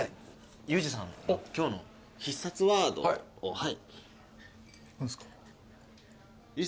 ユージさんの今日の必殺ワードは。